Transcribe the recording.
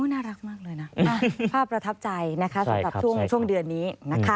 น่ารักมากเลยนะภาพประทับใจนะคะสำหรับช่วงเดือนนี้นะคะ